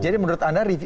jadi menurut anda